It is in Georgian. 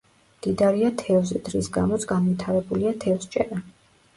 მდიდარია თევზით, რის გამოც განვითარებულია თევზჭერა.